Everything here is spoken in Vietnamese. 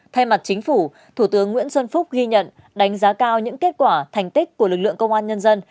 thay mặt chính phủ thủ tướng nguyễn xuân phúc ghi nhận đánh giá cao những kết quả thành tích của lực lượng công an nhân dân